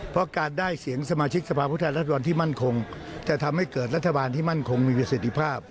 เพราะการได้เสียงสมาชิกสภาพผู้แทนรัศดรที่มั่นคงจะทำให้เกิดรัฐบาลที่มั่นคงมีประสิทธิภาพ